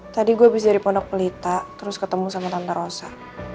tadi gue habis dari pondok pelita terus ketemu sama tante rosa